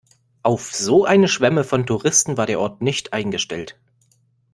Auf so eine Schwemme von Touristen war der Ort nicht eingestellt.